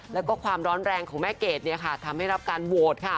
แล้วก็ความร้อนแรงของแม่เกดเนี่ยค่ะทำให้รับการโหวตค่ะ